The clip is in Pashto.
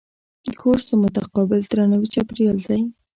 کورس د متقابل درناوي چاپېریال دی.